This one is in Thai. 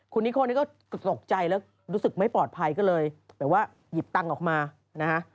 คุณนิโคนี่ก็ตกใจแล้วรู้สึกไม่ปลอดภัยก็เลยแบบว่าหยิบตังค์ออกมานะฮะ